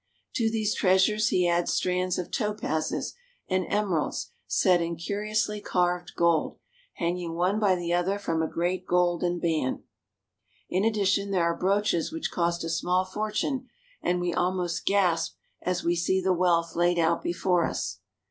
To these treasures he adds strands of topazes and emeralds, set in curiously carved gold, hanging one by the other from a great golden band. In addition there are brooches which cost a small fortune, and we almost gasp as we see the wealth laid out before us.